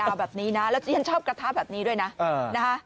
แบบนี้นะแล้วที่ฉันชอบกระทะแบบนี้ด้วยนะ